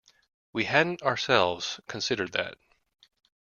We hadn't, ourselves, considered that.